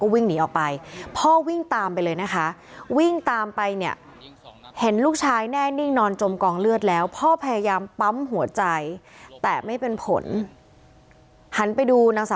บุกมะกราดยิงถึงที่บ้านมีน้องผู้หญิงคนหนึ่งเกือบจะโดนลูกหลงไปด้วยนะคะ